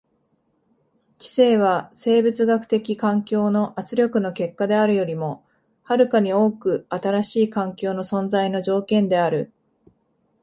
知性は生物学的環境の圧力の結果であるよりも遥かに多く新しい環境の存在の条件である。